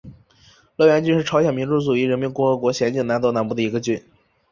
乐园郡是朝鲜民主主义人民共和国咸镜南道南部的一个郡。